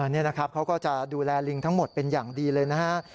นี่นะครับเขาก็จะดูแลลิงทั้งหมดเป็นอย่างดีเลยนะฮะ